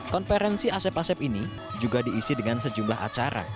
konferensi asep asep ini juga diisi dengan sejumlah acara